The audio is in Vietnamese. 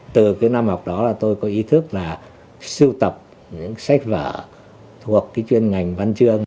từ năm học đó tôi có ý thức là sưu tập những sách vở thuộc chuyên ngành văn chương